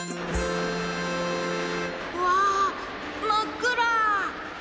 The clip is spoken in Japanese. うわまっくら！